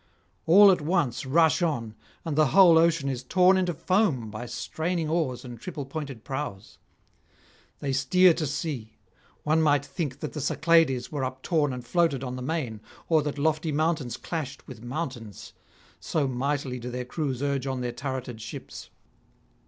All at once rush on, and the whole ocean is torn into foam by straining oars and triple pointed prows. They steer to sea; one might think that the Cyclades were uptorn and floated on the main, or that lofty mountains clashed with mountains, so mightily do their crews urge on the turreted ships.